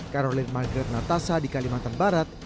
karolin maghrir natasa di kalimantan barat